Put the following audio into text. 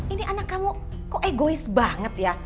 ini anak kamu kok egois banget ya